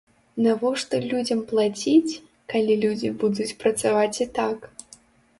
Навошта людзям плаціць, калі людзі будуць працаваць і так?